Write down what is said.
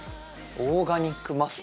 オーガニックマスク。